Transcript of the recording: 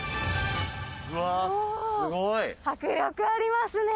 迫力ありますね。